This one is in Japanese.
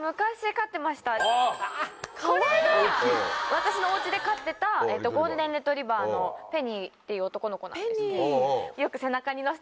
私のお家で飼ってたゴールデン・レトリーバーのペニーっていう男の子なんですけど。